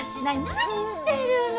何してるの！